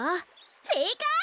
せいかい！